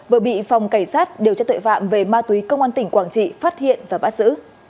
vừa bị phòng cảnh sát điều tra tuệ phạm về ma túy công an tỉnh quảng trị phát hiện và bắt giữ